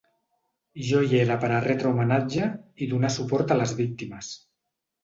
Jo hi era per a retre homenatge i donar suport a les víctimes.